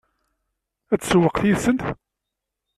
Ad tsewweq yid-sent?